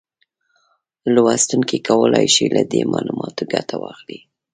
لوستونکي کولای شي له دې معلوماتو ګټه واخلي